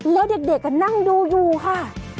แล้วเด็กนั่งดูอยู่ค่ะ